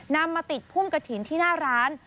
นำมาติดพุ่มกระถิ่นที่หน้าร้าน